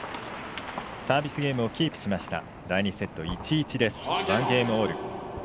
サービスゲームをキープしました第２セット、１−１です。